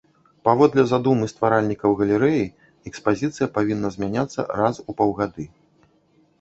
Паводле задумы стваральнікаў галерэі экспазіцыя павінна змяняцца раз у паўгады.